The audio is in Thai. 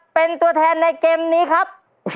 เป็นตัวแทนในเกมนี้ครับ